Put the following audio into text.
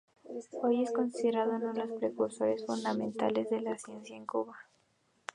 Hoy es considerado uno de los precursores fundamentales de las ciencias en Cuba.